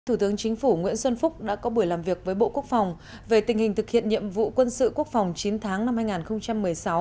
thủ tướng chính phủ nguyễn xuân phúc đã có buổi làm việc với bộ quốc phòng về tình hình thực hiện nhiệm vụ quân sự quốc phòng chín tháng năm hai nghìn một mươi sáu